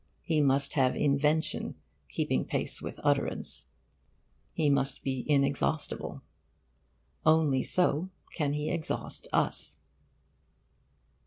He must have invention keeping pace with utterance. He must be inexhaustible. Only so can he exhaust us.